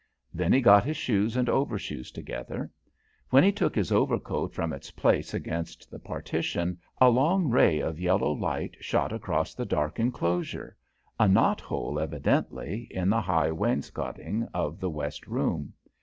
Then he got his shoes and overshoes together. When he took his overcoat from its place against the partition, a long ray of yellow light shot across the dark enclosure, a knot hole, evidently, in the high wainscoating of the west room.